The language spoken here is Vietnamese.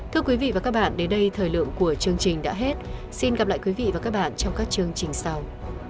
thưa quý vị và các bạn đến đây thời lượng của chương trình đã hết xin gặp lại quý vị và các bạn trong các chương trình sau